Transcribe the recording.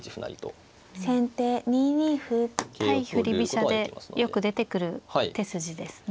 対振り飛車でよく出てくる手筋ですね。